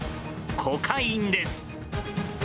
コカインです。